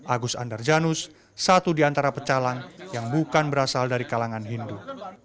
agus andarjanus satu di antara pecalang yang bukan berasal dari kalangan hindu